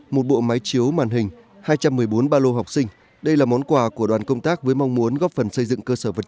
một bộ máy chiếu màn hình hai trăm một mươi bốn ba lô học sinh đây là món quà của đoàn công tác với mong muốn góp phần xây dựng cơ sở vật